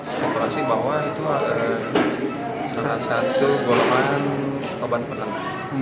spokulasi bahwa itu salah satu golongan obat penenang